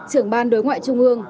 trưởng ban đối ngoại trung ương